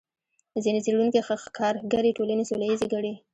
ځینې څېړونکي ښکارګرې ټولنې سوله ییزې ګڼي.